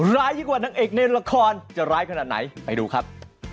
ร้ายยิ่งกว่านางเอกในละครจะร้ายขนาดไหนไปดูครับ